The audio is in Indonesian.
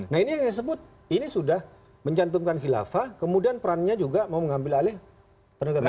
nah ini yang saya sebut ini sudah mencantumkan khilafah kemudian perannya juga mau mengambil alih penegakan hukum